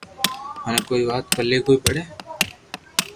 منو ڪوئي وات پلي ڪوئي پڙي